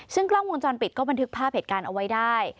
ซึ่งกล้องวงจรปิดก็บันทึกภาพเหตุการณ์เอาไว้ได้